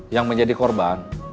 yang menjadi korban